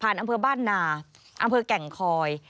อำเภอบ้านนาอำเภอแก่งคอย